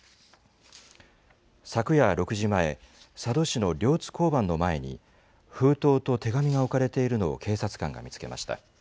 昨夜６時前、佐渡市の両津交番の前に、封筒と手紙が置かれているのを警察官が見つけました。